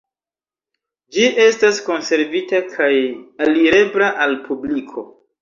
Ĝi estas konservita kaj alirebla al publiko.